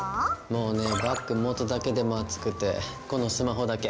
もうねバッグ持つだけでも暑くてこのスマホだけ。